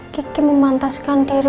kiki memantaskan diri